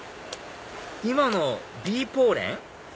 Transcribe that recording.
今のビーポーレン？